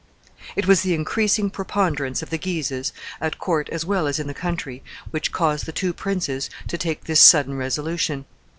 It was the increasing preponderance of the Guises, at court as well as in the country, which caused the two princes to take this sudden resolution.